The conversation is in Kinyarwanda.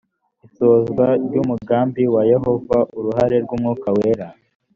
isohozwa ry umugambi wa yehova uruhare rw umwuka wera